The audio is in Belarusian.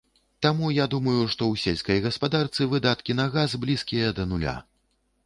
Таму, я думаю, што ў сельскай гаспадарцы выдаткі на газ блізкія да нуля.